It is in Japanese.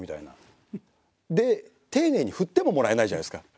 で丁寧に振ってももらえないじゃないですか。